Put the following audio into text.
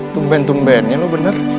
tumben tumbennya lo bener